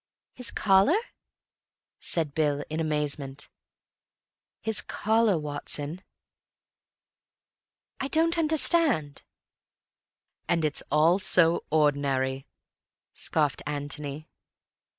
"His collar?" said Bill in amazement. "His collar, Watson." "I don't understand." "And it's all so ordinary," scoffed Antony.